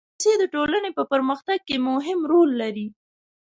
پېسې د ټولنې په پرمختګ کې مهم رول لري.